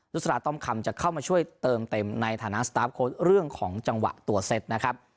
สราต้อมคำจะเข้ามาช่วยเติมเต็มในฐานะสตาร์ฟโค้ดเรื่องของจังหวะตัวเซ็ตนะครับ